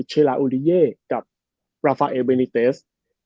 เชลาโอดิเย่กับปราฟาเอลเบนิเตส